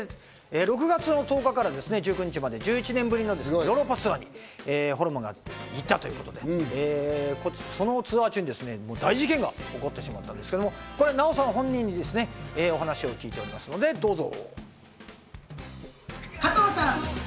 ６月１０日から１９日まで１１年ぶりのヨーロッパツアーにホルモンが行っていたということで、そのツアー中に大事件が起きてしまったんですけど、ナヲさん本人にお話を聞いておりますので、どうぞ。